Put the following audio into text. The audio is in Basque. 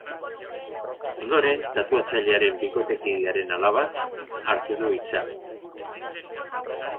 Ondoren tatuatzailearen bikotekidearen alabak hartu du hitza.